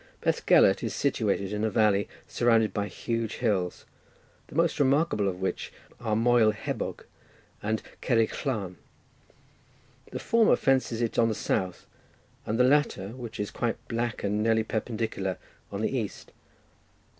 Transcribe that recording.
Bethgelert is situated in a valley surrounded by huge hills, the most remarkable of which are Moel Hebog and Cerrig Llan; the former fences it on the south, and the latter, which is quite black and nearly perpendicular, on the east.